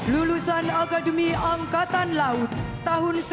lulusan akademi angkatan laut tahun seribu sembilan ratus sembilan puluh